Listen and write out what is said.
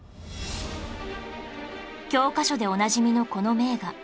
教科書でおなじみのこの名画